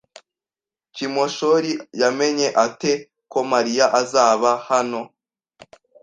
Kimoshori yamenye ate ko Mariya azaba hano?